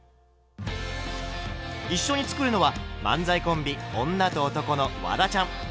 一緒に作るのは漫才コンビ「女と男」のワダちゃん。